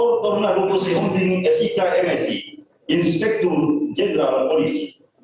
dr torna dukusi humbim sik msi inspektur jenderal polisi